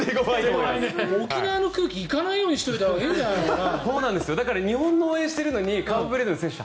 沖縄の空気行かないようにしておいたほうがいいんじゃないかな？